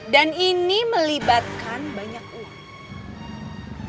dan ini melibatkan banyak uang